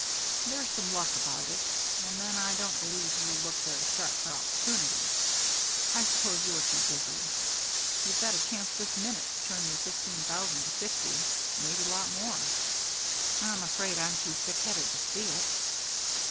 "There's some luck about it. And then I don't believe you look very sharp for opportunities. I suppose you are too busy. You've got a chance this minute to turn your fifteen thousand to fifty; maybe lot more." "I'm afraid I'm too thick headed to see it."